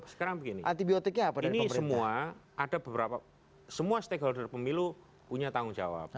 sekarang begini ini semua ada beberapa semua stakeholder pemilu punya tanggung jawab